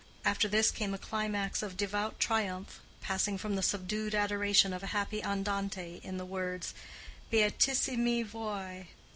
After this came a climax of devout triumph—passing from the subdued adoration of a happy Andante in the words, "_Beatissimi voi.